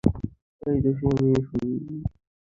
তাই প্রত্যুষে আমি তাকে সুসংবাদ দেয়ার জন্য গেলাম।